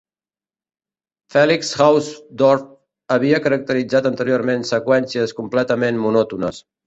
Felix Hausdorff havia caracteritzat anteriorment seqüències completament monòtones.